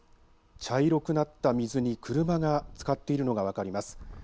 茶色くなった水に車がつかっているのが分かります。